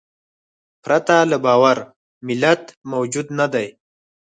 پرته له باور ملت موجود نهدی.